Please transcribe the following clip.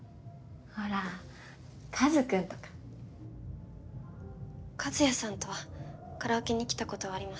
ほら和くんとか和也さんとはカラオケに来たことはありません